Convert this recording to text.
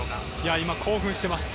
今、興奮しています。